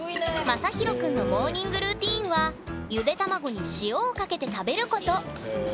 まさひろくんのモーニング・ルーティーンはゆで卵に「塩」をかけて食べること！